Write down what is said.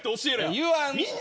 言わん！